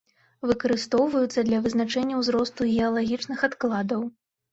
Выкарыстоўваюцца для вызначэння ўзросту геалагічных адкладаў.